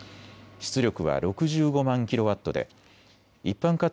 出力は６５万キロワットで一般家庭